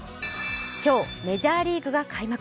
今日、メジャーリーグが開幕。